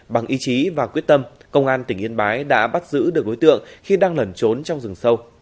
bằng ý chí và quyết tâm công an tỉnh yên bái đã bắt giữ được đối tượng khi đang lẩn trốn trong rừng sâu